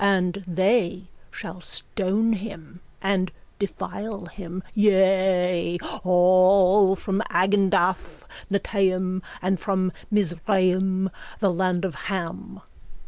And they shall stone him and defile him, yea, all from Agendath Netaim and from Mizraim, the land of Ham.